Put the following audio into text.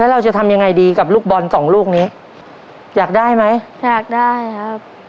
เราจะทำยังไงดีกับลูกบอลสองลูกนี้อยากได้ไหมอยากได้ครับ